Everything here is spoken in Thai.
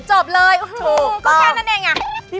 จบเลยก็แค่นั้นเองอ่ะ